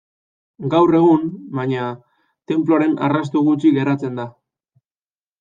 Gaur egun, baina, tenpluaren arrasto gutxi geratzen da.